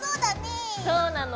そうなの。